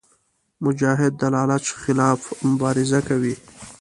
مجاهد د لالچ خلاف مبارزه کوي.